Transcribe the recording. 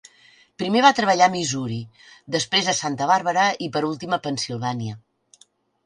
Primer va treballar a Missouri, després a Santa Bàrbara i per últim a Pennsilvània.